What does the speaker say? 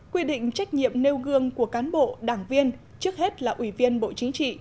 quy định trách nhiệm nêu gương của cán bộ đảng viên trước hết là ủy viên bộ chính trị